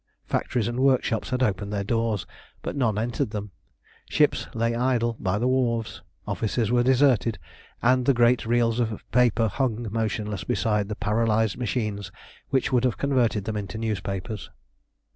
Factories and workshops had opened their doors, but none entered them; ships lay idle by the wharves, offices were deserted, and the great reels of paper hung motionless beside the paralysed machines which should have converted them into newspapers.